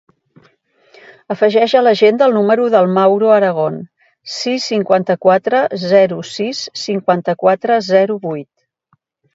Afegeix a l'agenda el número del Mauro Aragon: sis, cinquanta-quatre, zero, sis, cinquanta-quatre, zero, vuit.